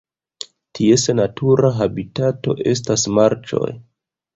Ties natura habitato estas marĉoj.